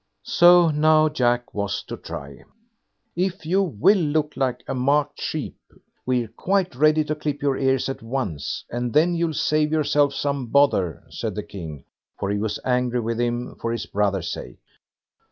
So now Jack was to try. "If you will look like a marked sheep, we're quite ready to clip your ears at once, and then you'll save yourself some bother", said the King; for he was angry with him for his brothers' sake.